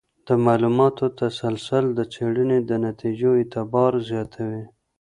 د معلوماتو تسلسل د څېړنې د نتیجو اعتبار زیاتوي.